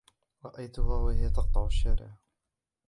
رأيتها وهي تقطع الشارع.